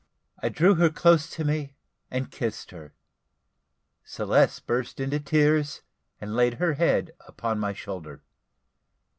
I drew her close to me, and kissed her. Celeste burst into tears, and laid her head upon my shoulder.